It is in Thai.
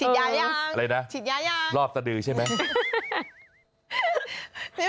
ฉีดย้ายางฉีดย้ายางอะไรนะรอบสะดือใช่ไหมรอบสะดือ